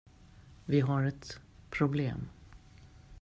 Vi har ett problem.